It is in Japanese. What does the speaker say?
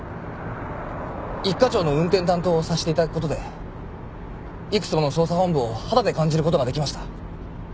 一課長の運転担当をさせて頂く事でいくつもの捜査本部を肌で感じる事が出来ました。